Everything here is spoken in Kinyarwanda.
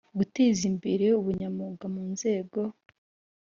guteza imbere ubunyamwuga mu nzego